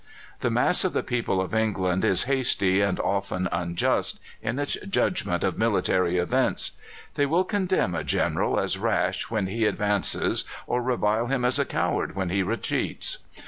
The mass of the people of England is hasty, and often unjust, in its judgment of military events. They will condemn a General as rash when he advances, or revile him as a coward when he retreats.